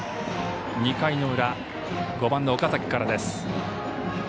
２回の裏、５番の岡崎からです。